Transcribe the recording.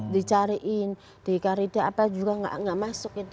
dicariin dikaririn apalagi juga enggak masuk ke daerah itu